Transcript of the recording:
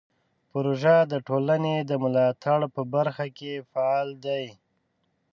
پروژه د ټولنې د ملاتړ په برخه کې فعال دی.